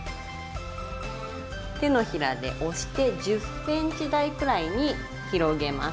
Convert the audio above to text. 手のひらで押して１０ｃｍ大くらいに広げます。